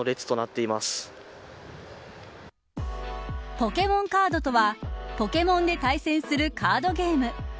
ポケモンカードとはポケモンで対戦するカードゲーム。